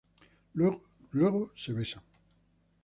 Luego se besan.